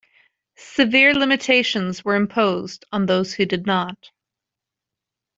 Severe limitations were imposed on those who did not.